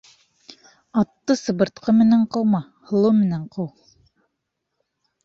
Атты сыбыртҡы менән ҡыума, һоло менән ҡыу.